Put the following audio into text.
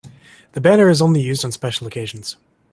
The banner is only used on special occasions.